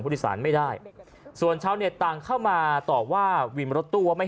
ผู้โดยสารไม่ได้ส่วนชาวเน็ตต่างเข้ามาตอบว่าวินรถตู้ว่าไม่